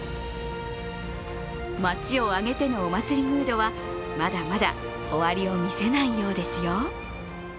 街を挙げてのお祭りムードはまだまだ終わりを見せないようですよ。